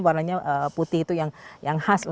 warnanya putih itu yang khas